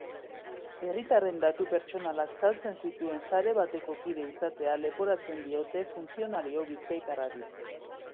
Herritarren datu pertsonalak saltzen zituen sare bateko kide izatea leporatzen diote funtzionario bizkaitarrari.